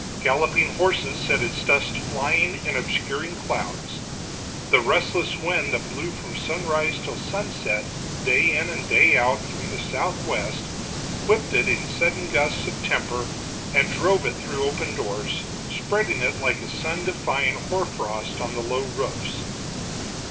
Galloping horses set its dust flying in obscuring clouds; the restless wind that blew from sunrise till sunset day in and day out from the southwest, whipped it in sudden gusts of temper, and drove it through open doors, spreading it like a sun defying hoarfrost on the low roofs.